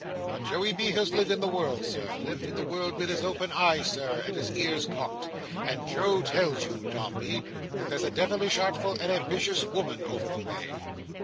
But Joey B. has lived in the world, Sir: lived in the world with his eyes open, Sir, and his ears cocked: and Joe tells you, Dombey, that there's a devilish artful and ambitious woman over the way."